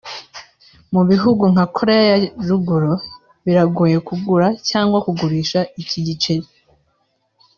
Mu bihugu nka Koreya ya ruguru biragoye kugura cyangwa kugurisha iki giceri